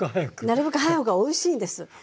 なるべく早い方がおいしいんです。